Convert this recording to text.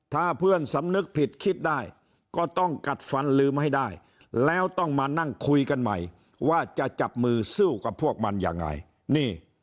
ถ้าเพื่อนสำนึกผิดคิดได้ก็ต้องกัดฟันลืมให้ได้แล้วต้องมานั่งคุยกันใหม่ว่าจะจับมือสู้กับพวกมันยังไงนี่